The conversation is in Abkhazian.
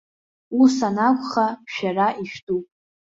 Ус анакәха, шәара ишәтәуп.